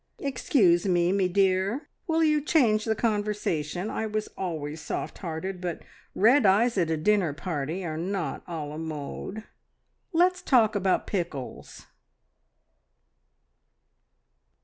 "Excuse me, me dear, will you change the conversation? I was always soft hearted, but red eyes at a dinner party are not a la mode. ... Let's talk about pickles!